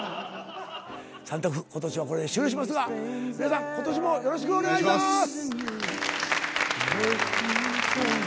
『さんタク』今年はこれで終了しますが皆さん今年もよろしくお願いします！